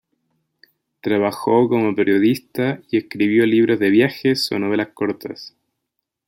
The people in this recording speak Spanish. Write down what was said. Trabajó como periodista y escribió libros de viajes o novelas cortas.